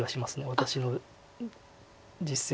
私の実戦で。